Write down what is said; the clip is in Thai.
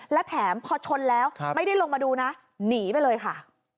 และแถมพอชนแล้วไม่ได้ลงมาดูนะหนีไปเลยค่ะ